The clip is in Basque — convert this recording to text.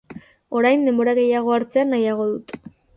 Orain denbora gehiago hartzea nahiago dut.